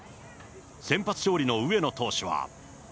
先発勝利の上野投手は。